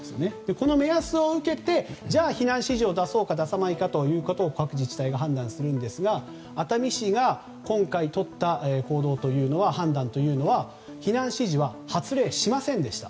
この目安を受けて、じゃあ避難指示を出すか、出すまいかを各自治体が判断するんですが熱海市が今回とった判断というのは避難指示は発令しませんでした。